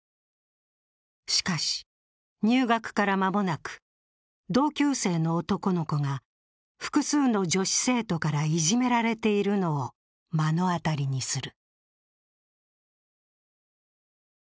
しかし、入学から間もなく同級生の男の子が複数の女子生徒からいじめられているのを目の当たりにする。